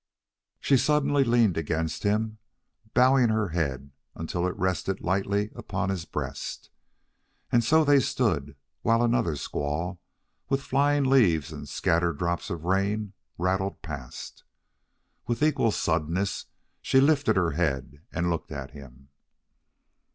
She suddenly leaned against him, bowing her head until it rested lightly upon his breast. And so they stood while another squall, with flying leaves and scattered drops of rain, rattled past. With equal suddenness she lifted her head and looked at him.